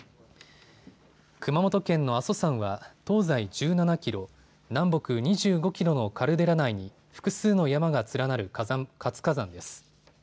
熊本県の阿蘇山は東西１７キロ、南北２５キロのカルデラ内に複数の山が連なる活火山です。